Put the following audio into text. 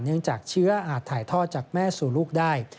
จากเชื้ออาจถ่ายทอดจากแม่สู่ลูกได้